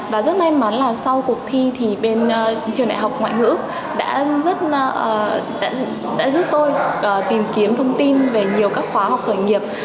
và rất may mắn là sau cuộc thi thì bên trường đại học ngoại ngữ đã giúp tôi tìm kiếm thông tin về nhiều các khóa học khởi nghiệp